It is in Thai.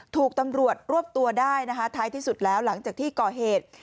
ถูกตำรวจรวบตัวได้นะคะท้ายที่สุดแล้วหลังจากที่ก่อเหตุ